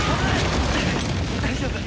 大丈夫。